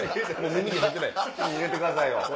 耳に入れてくださいよ。